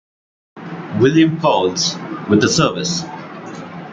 William Faulds, with the service.